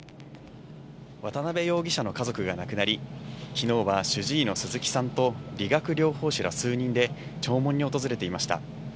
渡辺容疑者の家族が亡くなり、きのうは主治医の鈴木さんと、理学療法士ら数人で弔問に訪れていました。